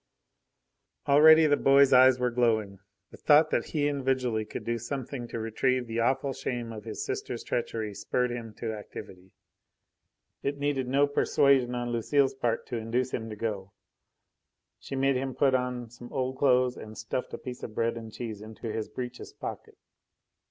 Already the boy's eyes were glowing. The thought that he individually could do something to retrieve the awful shame of his sister's treachery spurred him to activity. It needed no persuasion on Lucile's part to induce him to go. She made him put on some old clothes and stuffed a piece of bread and cheese into his breeches pocket.